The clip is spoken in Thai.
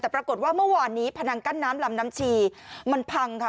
แต่ปรากฏว่าเมื่อวานนี้พนังกั้นน้ำลำน้ำชีมันพังค่ะ